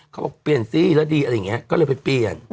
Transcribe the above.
เขาบอกเปลี่ยนซี่แล้วดีอะไรอย่างเงี้ย